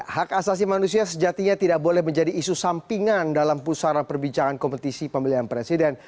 hak asasi manusia sejatinya tidak boleh menjadi isu sampingan dalam pusara perbincangan kompetisi pemilihan presiden